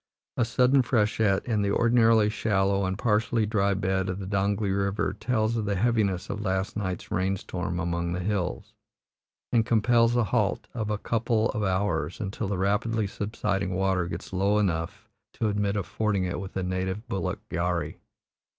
A sudden freshet in the ordinarily shallow and partially dry bed of the Donglee River tells of the heaviness of last night's rainstorm among the hills, and compels a halt of a couple of hours until the rapidly subsiding water gets low enough to admit of fording it with a native bullock gharri.